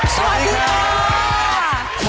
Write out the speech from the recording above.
สวัสดีค่ะ